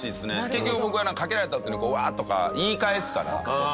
結局僕はかけられたあとにワーッとか言い返すから。